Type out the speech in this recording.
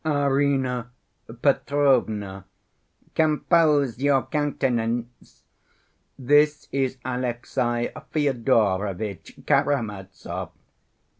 Arina Petrovna, compose your countenance. This is Alexey Fyodorovitch Karamazov.